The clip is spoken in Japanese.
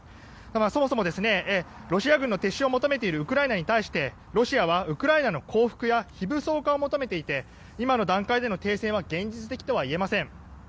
ただそもそもロシア軍の撤収を求めているウクライナに対してロシアはウクライナの降伏や非武装化を求めていて今の段階での停戦は現実的とは言えません。